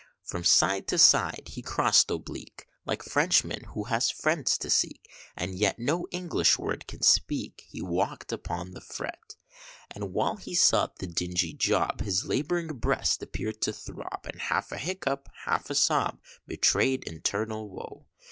From side to side he crossed oblique, Like Frenchman who has friends to seek, And yet no English word can speak, He walked upon the fret: And while he sought the dingy job His lab'ring breast appeared to throb, And half a hiccup half a sob Betray'd internal woe.